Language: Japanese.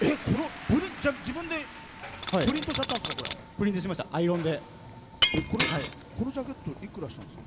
自分でプリントしちゃったんですか。